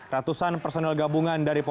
ratusan personel gabungan dari polri